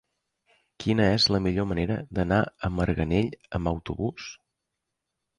Quina és la millor manera d'anar a Marganell amb autobús?